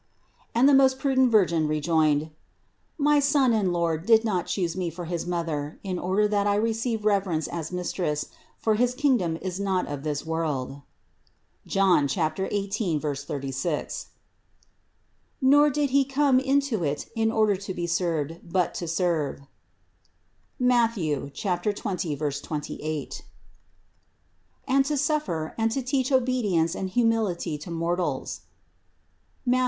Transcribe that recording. And the most prudent Virgin rejoined: "My Son and Lord did not choose me for his Mother, in order that I receive reverence as mistress; for his king dom is not of this world (Joan 18, 36), nor did He come into it in order to be served; but to serve (Matth. 20, 28), and to suffer, and to teach obedience and hu mility to mortals (Matth.